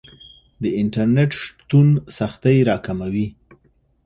د انټرنیټ شتون سختۍ راکموي.